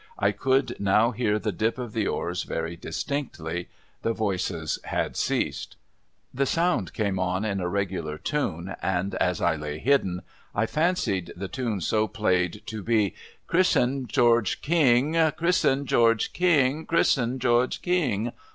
I could now hear the dip of the oars very distinctly; the voices had ceased. The sound came on in a regular tune, and as I lay hidden, I fancied the tune so played to be, ' Chris'en— George— King ! Chris'en— George — King! Chris'en— George— King